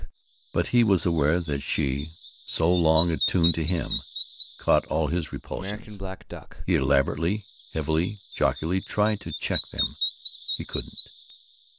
But he was aware that she, so long attuned to him, caught all his repulsions. He elaborately, heavily, jocularly tried to check them. He couldn't.